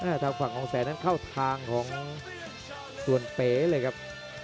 และทางฝังของแสนค่าวทางของตัวเป้เลยครับ